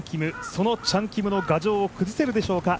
そのチャン・キムの牙城を崩せるでしょうか。